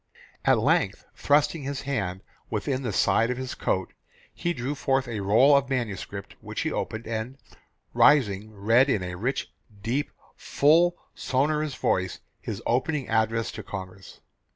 "At length thrusting his hand within the side of his coat, he drew forth a roll of manuscript which he opened, and rising read in a rich, deep, full, sonorous voice his opening address to Congress.